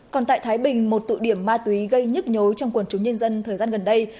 còn tại thái bình một tụ điểm ma túy gây nhức nhối trong quần chúng nhân dân thời gian gần đây